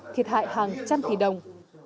thiệt hại hàng trăm tỷ đồng